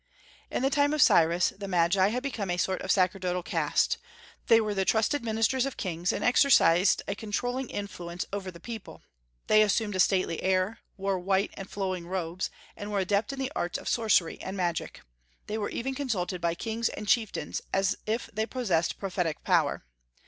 In the time of Cyrus the Magi had become a sort of sacerdotal caste. They were the trusted ministers of kings, and exercised a controlling influence over the people. They assumed a stately air, wore white and flowing robes, and were adept in the arts of sorcery and magic. They were even consulted by kings and chieftains, as if they possessed prophetic power.